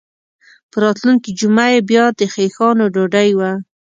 په راتلونکې جمعه یې بیا د خیښانو ډوډۍ وه.